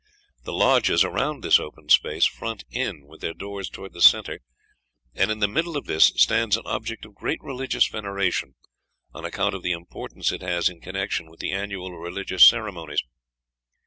The lodges around this open space front in, with their doors toward the centre; and in the middle of this stands an object of great religious veneration, on account of the importance it has in connection with the annual religious ceremonies.